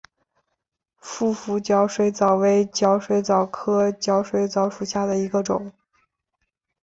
腹斧角水蚤为角水蚤科角水蚤属下的一个种。